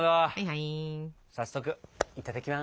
早速いただきます。